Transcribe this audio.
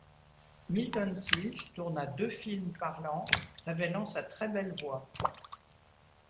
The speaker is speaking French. Milton Sills tourna deux films parlants révélant sa très belle voix.